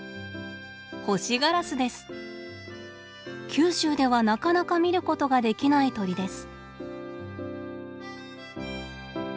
九州ではなかなか見ることができない鳥です。